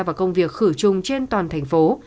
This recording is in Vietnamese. vào công việc khử chung trên toàn thành phố